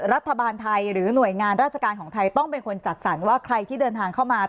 รัฐบาลไทยหรือหน่วยงานราชการของไทยต้องเป็นคนจัดสรรว่าใครที่เดินทางเข้ามา